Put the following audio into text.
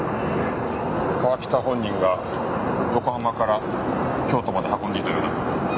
川喜多本人が横浜から京都まで運んでいたようだ。